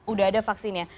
udah ada vaksinnya